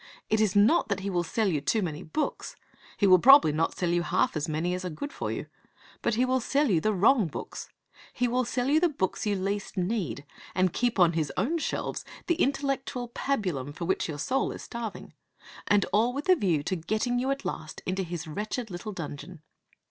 It is not that he will sell you too many books. He will probably not sell you half as many as are good for you. But he will sell you the wrong books. He will sell you the books you least need, and keep on his own shelves the intellectual pabulum for which your soul is starving. And all with a view to getting you at last into his wretched little dungeon.